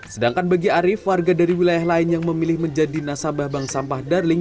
sedangkan bagi arief warga dari wilayah lain yang memilih menjadi nasabah bank sampah darling